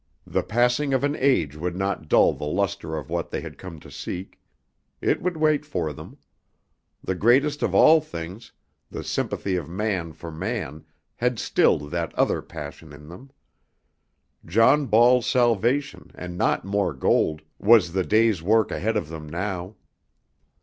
The passing of an age would not dull the luster of what they had come to seek. It would wait for them. The greatest of all things the sympathy of man for man had stilled that other passion in them. John Ball's salvation, and not more gold, was the day's work ahead of them now.